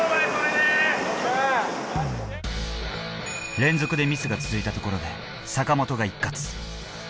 連続でミスが続いたところで坂本が一喝。